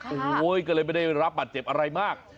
โอ้โหก็เลยไม่ได้รับบาดเจ็บอะไรมาก